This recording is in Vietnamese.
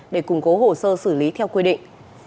để củng cố hồ sơ xử lý theo quy định